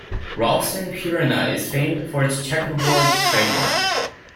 Ralston Purina is famed for its "checkerboard" trademark.